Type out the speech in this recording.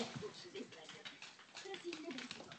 Dokládá to vstupní portál na jižní straně.